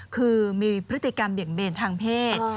คือมีพฤติกรรมเด่นทางเพศ